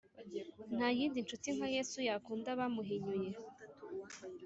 Ntayindi nshuti nka yesu yakunda abamuhinyuye